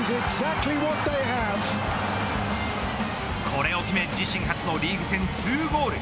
これを決め自身初のリーグ戦２ゴール。